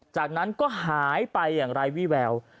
จากนั้นก็หายไปอย่างไร้วี่แวว